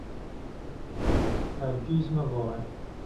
هەرگیز مەگۆڕێ.